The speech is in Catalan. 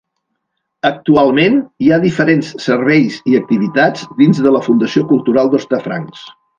Actualment, hi ha diferents serveis i activitats dins de la Fundació Cultural d'Hostafrancs.